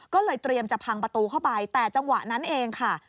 ก็เลยเตรียมจะพังประตูเข้าไปแต่จังหวะนั้นเองค่ะ